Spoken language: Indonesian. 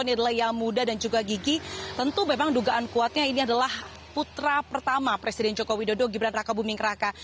ini adalah yang muda dan juga gigi tentu memang dugaan kuatnya ini adalah putra pertama presiden joko widodo gibran raka buming raka